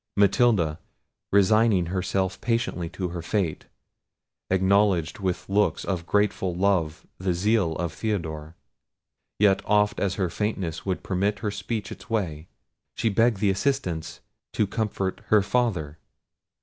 Matilda, resigning herself patiently to her fate, acknowledged with looks of grateful love the zeal of Theodore. Yet oft as her faintness would permit her speech its way, she begged the assistants to comfort her father.